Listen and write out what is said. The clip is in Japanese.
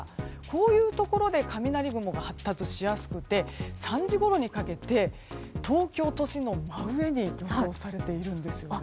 こういうところで雷雲が発達しやすくて３時ごろにかけて東京都心の真上に予想されているんですよね。